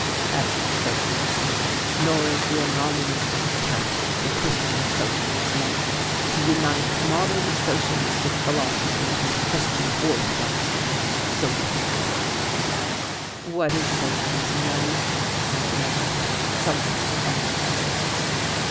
That isn't socialism. Nor is the anomalistic attempt that the Christian Socialists make to unite modern socialistic philosophy with Christian orthodoxy, socialism." "What is socialism, then?" I demanded, somewhat defiantly.